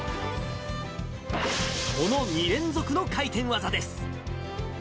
この２連続の回転技です。